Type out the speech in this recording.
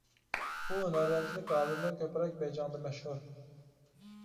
بۇ ھۈنەرۋەنچىلىك ھازىرمۇ كۆپرەك بېيجىڭدا مەشھۇر.